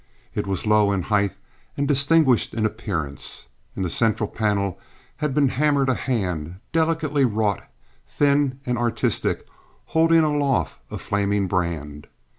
It was low in height and distinguished in appearance. In the center panel had been hammered a hand, delicately wrought, thin and artistic, holding aloft a flaming brand.